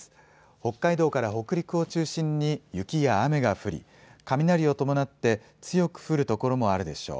北海道から北陸を中心に雪や雨が降り、雷を伴って強く降る所もあるでしょう。